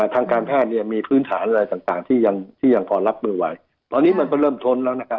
ทางการแพทย์เนี่ยมีพื้นฐานอะไรต่างต่างที่ยังที่ยังพอรับมือไว้ตอนนี้มันก็เริ่มท้นแล้วนะครับ